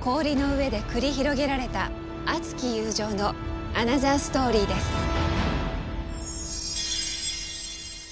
氷の上で繰り広げられた熱き友情のアナザーストーリーです。